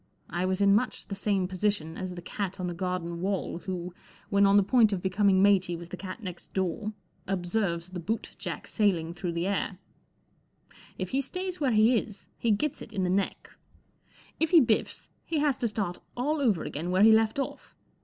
I was in much the same position as the cat on the garden wall who* when on the point of becoming matey with the cat next door, observes the boot jack sailing through the air* If he stays where he is* he gets it in the neck; if he biffs, he has to start all over again where he left off.